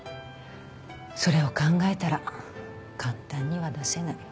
それを考えたら簡単には出せない。